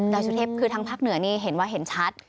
สุเทพคือทางภาคเหนือนี่เห็นว่าเห็นชัด